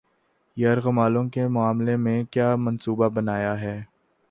یرغمالوں کے معاملے میں کیا منصوبہ بنایا ہے